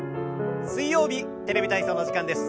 水曜日「テレビ体操」の時間です。